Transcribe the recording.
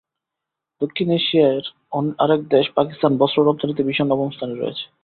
দক্ষিণ এশিয়ার আরেক দেশ পাকিস্তান বস্ত্র রপ্তানিতে বিশ্বে নবম স্থানে রয়েছে।